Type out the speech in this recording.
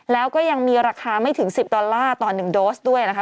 แล้วก็ยังมีราคาไม่ถึง๑๐ดอลลาร์ต่อ๑โดสด้วยนะคะ